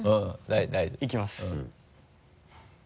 いきます。